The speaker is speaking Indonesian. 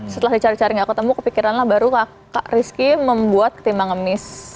setelah dicari cari gak ketemu kepikiranlah baru kak rizky membuat ketimbang ngemis